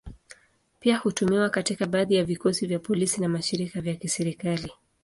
Pia hutumiwa katika baadhi ya vikosi vya polisi na mashirika ya kiserikali.